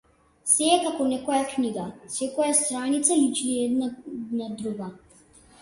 Сѐ е како некоја книга, секоја страница личи една на друга.